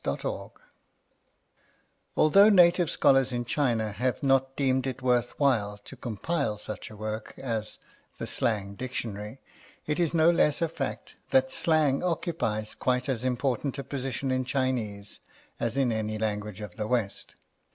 SLANG Although native scholars in China have not deemed it worth while to compile such a work as the "Slang Dictionary," it is no less a fact that slang occupies quite as important a position in Chinese as in any language of the West.